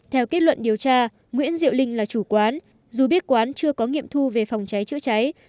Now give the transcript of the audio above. theo kết luận điều tra nguyễn diệu linh là chủ quán dù biết quán chưa có nghiệm thu về phòng cháy chữa cháy